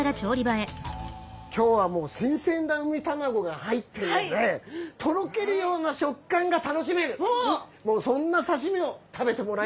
今日はもう新鮮なウミタナゴが入っているのでとろけるような食感が楽しめるそんな刺身を食べてもらいたいと思います！